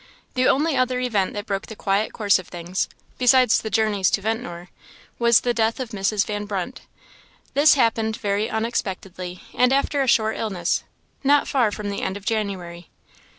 The only other event that broke the quiet course of things (besides the journeys to Ventnor) was the death of Mrs. Van Brunt. This happened very unexpectedly and after a short illness, not far from the end of January.